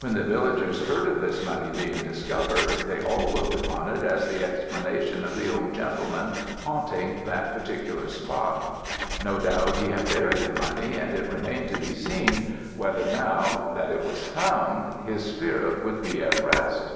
When the villagers heard of this money being discovered, they all looked upon it as the explanation of the old gentleman haunting that particular spot. No doubt he had buried the money, and it remained to be seen, whether now, that it was found, his spirit would be at rest.